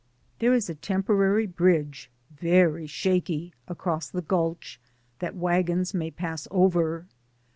There is a temporary bridge (very shaky) across the gulch that wagons may pass over.